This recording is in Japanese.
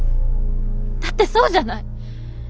だってそうじゃない。